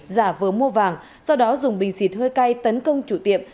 giả vờ mua vàng sau đó dùng bình xịt hơi cay tấn công chủ tiệm